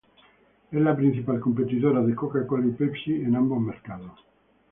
Es la principal competidora de Coca-Cola y Pepsi en ambos mercados.